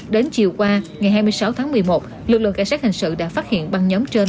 đến chiều qua ngày hai mươi sáu tháng một mươi một lực lượng cảnh sát hình sự đã phát hiện băng nhóm trên